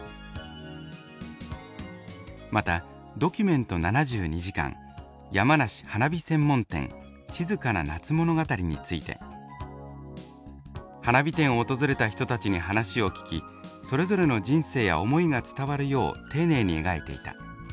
また「ドキュメント７２時間」「山梨・花火専門店静かな夏物語」について「花火店を訪れた人たちに話を聞きそれぞれの人生や思いが伝わるよう丁寧に描いていた。